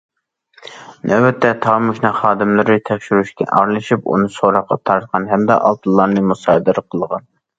نۆۋەتتە، تاموژنا خادىملىرى تەكشۈرۈشكە ئارىلىشىپ، ئۇنى سوراققا تارتقان، ھەمدە ئالتۇنلارنى مۇسادىرە قىلغان.